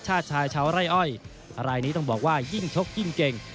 ชายชาวไร่อ้อยรายนี้ต้องบอกว่ายิ่งชกยิ่งเก่ง